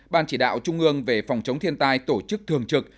một mươi hai ban chỉ đạo trung ương về phòng chống thiên tai tổ chức thường trực